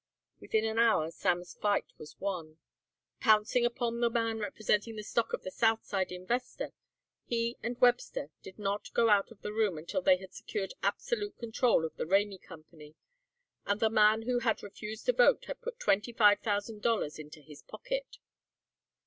Within an hour Sam's fight was won. Pouncing upon the man representing the stock of the south side investor, he and Webster did not go out of the room until they had secured absolute control of the Rainey Company and the man who had refused to vote had put twenty five thousand dollars into his pocket.